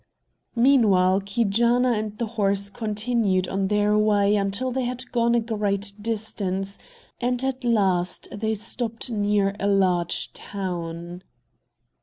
Meanwhile Keejaanaa and the horse continued on their way until they had gone a great distance, and at last they stopped near a large town.